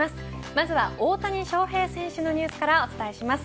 まずは大谷翔平選手のニュースからお伝えします。